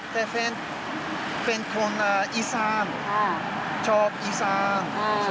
เทพฯเป็นคนอีซานชอบอีซาน